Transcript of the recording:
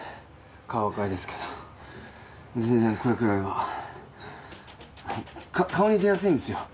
顔赤いですけど全然これくらいはか顔に出やすいんですよ